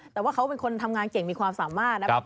แต่ว่าเขาเป็นคนทำงานเก่งมีความสามารถนะครับ